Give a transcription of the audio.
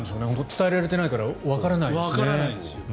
伝えられていないからわからないですね。